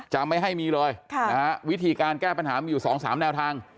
จะไม่ให้มีเลยวิธีการแก้ปัญหามีอยู่๒๓แนวทาง